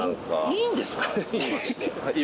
いいんですか？